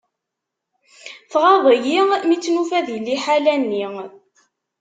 Tɣaḍ-iyi mi tt-nufa di liḥala-nni.